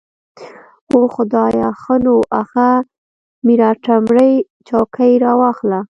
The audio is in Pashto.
اوح خدايه ښه نو اغه ميراتمړې چوکۍ راواخله.